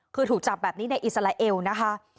คือถูกจับแบบนี้ในอิสราเอลนะคะ